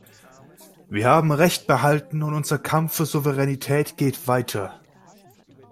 Wir haben Recht behalten und unser Kampf für Souveränität geht weiter.